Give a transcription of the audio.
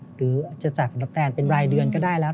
หรือจะจ่ายผลตอบแทนเป็นรายเดือนก็ได้แล้ว